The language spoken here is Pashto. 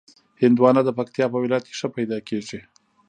هندوانه د پکتیا په ولایت کې ښه پیدا کېږي.